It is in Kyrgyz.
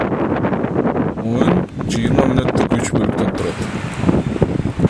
Оюн жыйырма мүнөттүк үч бөлүктөн турат.